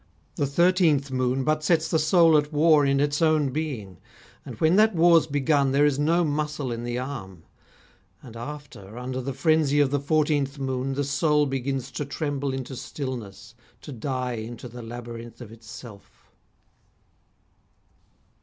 The thirteenth moon but sets the soul at war In its own being, and when that war's begun There is no muscle in the arm; and after Under the frenzy of the fourteenth moon The soul begins to tremble into stillness, To die into the labyrinth of itself!